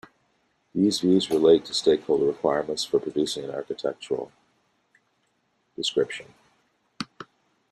These views relate to stakeholder requirements for producing an Architectural Description.